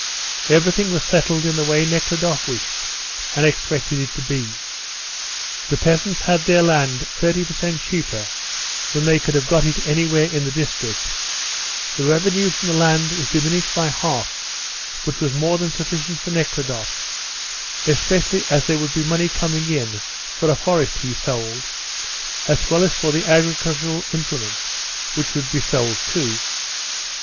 Everything was settled in the way Nekhludoff wished and expected it to be. The peasants had their land 30 per cent. cheaper than they could have got it anywhere in the district, the revenue from the land was diminished by half, but was more than sufficient for Nekhludoff, especially as there would be money coming in for a forest he sold, as well as for the agricultural implements, which would be sold, too.